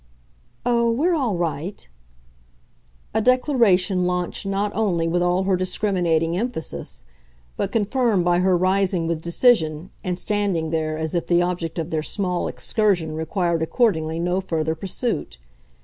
"Oh, we're all right!" A declaration launched not only with all her discriminating emphasis, but confirmed by her rising with decision and standing there as if the object of their small excursion required accordingly no further pursuit.